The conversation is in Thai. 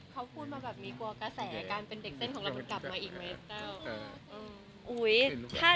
เขาพูดมาแบบมีกลัวกระแสการเป็นเด็กเส้นของเรามันกลับมาอีกไหมแต้ว